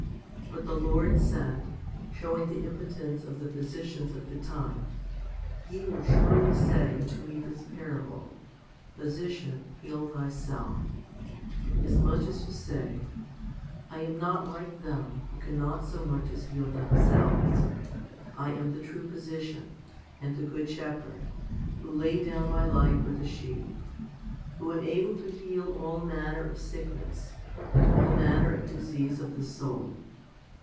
21 But the Lord said, showing the impotence of the physicians of the time, Ye will surely say unto me this parable, Physician, heal thyself;* as much as to say, "I am not like them, who cannot so much as heal themselves. I am the true physician, and the good shepherd, who lay down My life for the sheep,* who am able to heal all manner of sickness and all manner of disease of the soul.